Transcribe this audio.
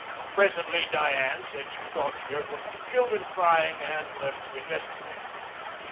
Presently Diane said she thought she heard one of the children crying and left to investigate.